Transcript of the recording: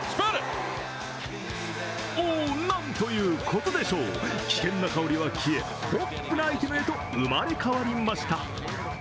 おお、なんということでしょう、危険な香りは消え、ポップなアイテムへと生まれ変わりました。